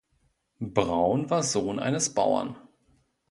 Braun war Sohn eines Bauern.